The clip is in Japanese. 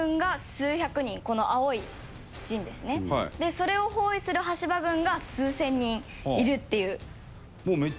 それを包囲する羽柴軍が数千人いるっていう。